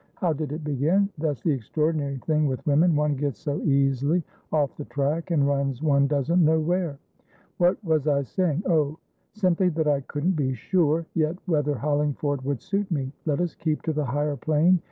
How did it begin? That's the extraordinary thing with women; one gets so easily off the track, and runs one doesn't know where. What was I saying? Oh, simply that I couldn't be sure, yet, whether Hollingford would suit me. Let us keep to the higher plane.